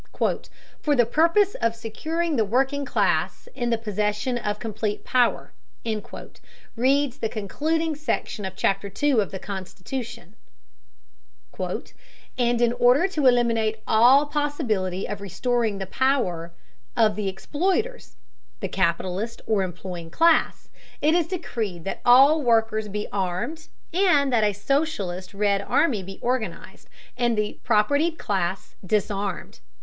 "For the purpose of securing the working class in the possession of complete power," reads the concluding section of chapter two of the constitution, "and in order to eliminate all possibility of restoring the power of the exploiters, (the capitalist or employing class), it is decreed that all workers be armed, and that a socialist Red Army be organized and the propertied class disarmed."